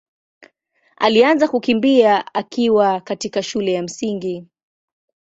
alianza kukimbia akiwa katika shule ya Msingi.